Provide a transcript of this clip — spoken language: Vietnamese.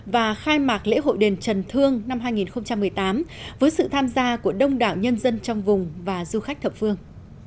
và khai mạc lễ hội đền trần thương năm hai nghìn một mươi tám với sự tham gia của đông đảo nhân dân trong vùng và du khách thập phương